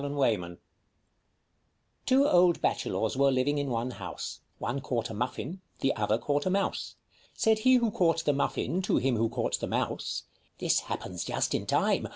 n^WO old Bachelors were living in one house ; One caught a Muffin, the other caught a Mouse. Said he who caught the Muffin to him who caught the Mouse, â " This happens just in time